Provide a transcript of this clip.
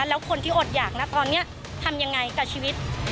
แล้วคนที่อดอยากนะตอนนี้ทำยังไงกับชีวิต